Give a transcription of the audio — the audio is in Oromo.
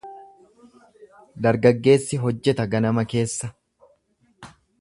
Dargaggeessi hojjeta ganama keessa.